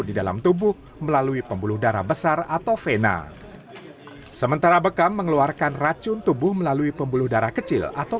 kita bikin begini supaya teman teman ini dari awal itikaf sampai akhir nanti